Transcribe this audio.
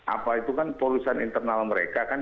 apa itu kan polusian internal mereka kan